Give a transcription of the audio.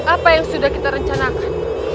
apa yang sudah kita rencanakan